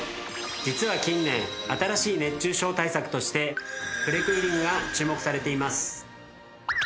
実は近年新しい熱中症対策としてプレクーリングが注目されています。